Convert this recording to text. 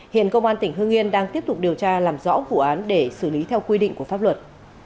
hiện công an tỉnh hương yên đang tiếp tục điều tra làm rõ vụ án để xử lý theo quy định của pháp luật